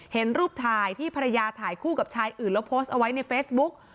เห็นรูปถ่ายที่ภรรยาถ่ายคู่กับชายอื่นแล้วโพสต์เอาไว้ในเฟซบุ๊ก